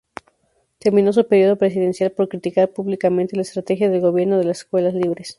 Terminó su período presidencial por criticar públicamente la estrategia del Gobierno de Escuelas Libres.